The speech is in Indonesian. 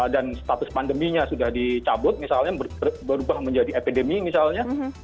dan status pandeminya sudah dicabut misalnya berubah menjadi epidemi misalnya